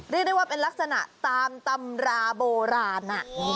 เรียกได้ว่าเป็นลักษณะตามตำราโบราณ